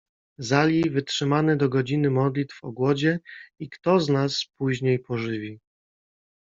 Zali wytrzymamy do godziny modlitw o głodzie — i kto nas później pożywi.